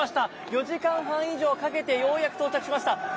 ４時間半以上かけてようやく到着しました。